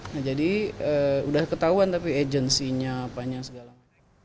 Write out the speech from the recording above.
nah jadi sudah ketahuan tapi agensinya apanya segala macam